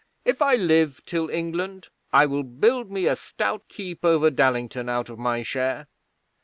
If I live till England, I will build me a stout keep over Dallington out of my share."